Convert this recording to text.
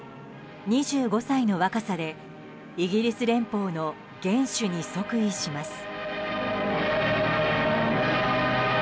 ２５歳の若さでイギリス連邦の元首に即位します。